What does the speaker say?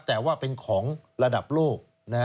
แต่ว่าเป็นของระดับโลก